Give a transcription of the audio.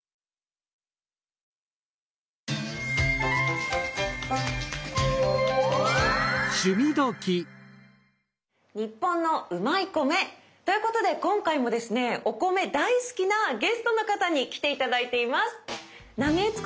「ニッポンのうまい米」ということで今回もですねお米大好きなゲストの方に来て頂いています。